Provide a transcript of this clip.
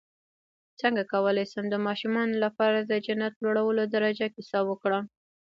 څنګه کولی شم د ماشومانو لپاره د جنت لوړو درجو کیسه وکړم